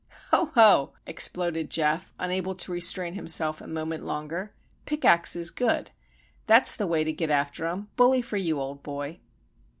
"Ho! ho!" exploded Geof, unable to restrain himself a moment longer. "Pickaxe is good! That's the way to get after 'em! Bully for you, old boy!"